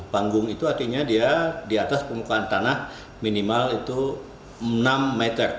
panggung itu artinya dia di atas permukaan tanah minimal itu enam meter